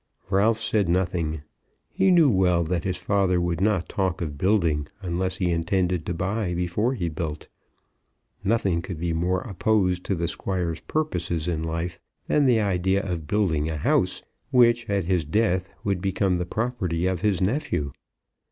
Ralph said nothing. He knew well that his father would not talk of building unless he intended to buy before he built. Nothing could be more opposed to the Squire's purposes in life than the idea of building a house which, at his death, would become the property of his nephew.